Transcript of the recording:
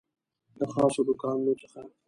د خاصو دوکانونو څخه